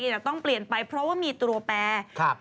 แต่ต้องเปลี่ยนไปเพราะว่ามีตัวแปร